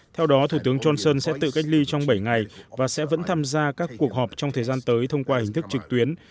theo đó thủ tướng johnson sẽ tự cách ly trong bảy ngày và sẽ vẫn tham gia các cuộc họp trong thời gian tới thông qua hình thức trực tuyến